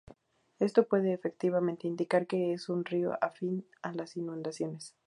Esto puede, efectivamente, indicar que es un río afín a las inundaciones.